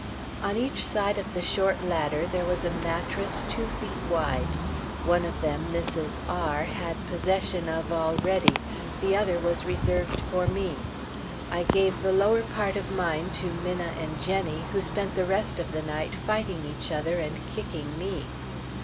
On each side of the short ladder, there was a mattress two feet wide. One of them Mrs. R had possession of already, the other was reserved for me. I gave the lower part of mine to Minna and Jennie, who spent the rest of the night fighting each other and kicking me.